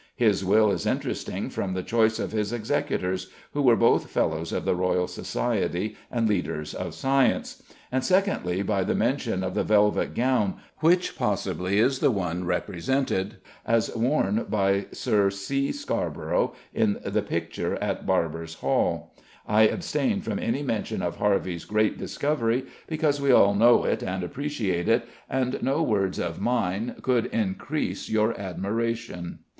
His will is interesting from the choice of his executors, who were both Fellows of the Royal Society and leaders of science; and, secondly, by the mention of the velvet gown, which possibly is the one represented as worn by Sir C. Scarborough in the picture at Barbers' Hall. I abstain from any mention of Harvey's great discovery, because we all know it and appreciate it, and no words of mine could increase your admiration.